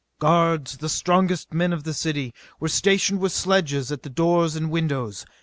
Guards, the strongest men of the city, were stationed with sledges at the doors and windows.